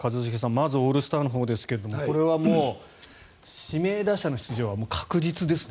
まずオールスターのほうですがこれはもう、指名打者の出場は確実ですね。